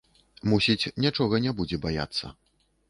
Мусіць, нічога не будзе баяцца.